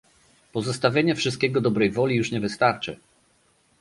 Pozostawianie wszystkiego dobrej woli już nie wystarczy